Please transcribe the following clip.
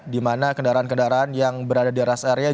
di mana kendaraan kendaraan yang berada di rest area